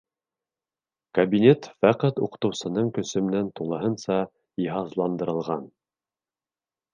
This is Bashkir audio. Кабинет фәҡәт уҡытыусының көсө менән тулыһынса йыһазландырылған.